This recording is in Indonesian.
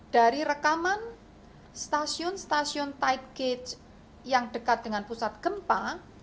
dari rekaman stasiun stasiun tight gate yang dekat dengan pusat gempa